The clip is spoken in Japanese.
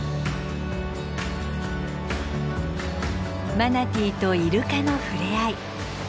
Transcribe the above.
マナティーとイルカの触れ合い。